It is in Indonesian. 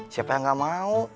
siapa yang gak mau